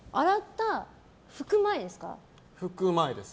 拭く前です。